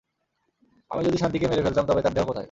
আমি যদি শান্তিকে মেরে ফেলতাম তবে তার দেহ কোথায়?